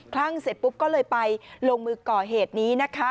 คลั่งเสร็จปุ๊บก็เลยไปลงมือก่อเหตุนี้นะคะ